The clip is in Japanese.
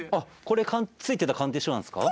これ付いてた鑑定書なんですか？